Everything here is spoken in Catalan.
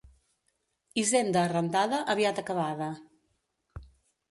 Hisenda arrendada aviat acabada.